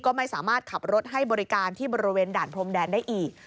ก็ไม่สามารถขับรถให้บริการที่บริเวณด่านพรมแดนได้อีก